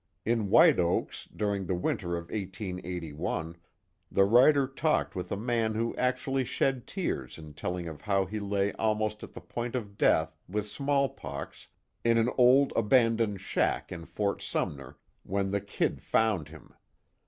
In White Oaks, during the winter of 1881, the writer talked with a man who actually shed tears in telling of how he lay almost at the point of death, with smallpox, in an old abandoned shack in Fort Sumner, when the "Kid" found him.